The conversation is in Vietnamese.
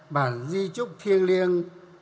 bản di trúc thiêng liêng